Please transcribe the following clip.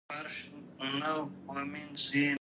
ازادي راډیو د حیوان ساتنه په اړه مثبت اغېزې تشریح کړي.